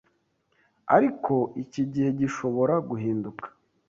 ariko iki gihe gishobora guhinduka